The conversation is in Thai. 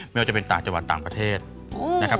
ไม่ว่าจะเป็นต่างจังหวัดต่างประเทศนะครับ